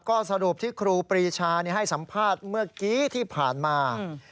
ก็สรุปที่ครูปรีชาให้สัมภาษณ์เมื่อกี้ที่ผ่านมา